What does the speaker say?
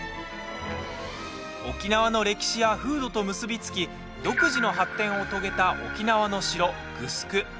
沖縄の歴史や風土と結び付き独自の発展を遂げた沖縄の城グスク。